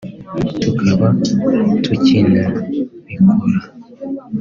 tukaba tukinabikora